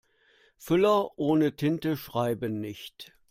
Füller ohne Tinte schreiben nicht.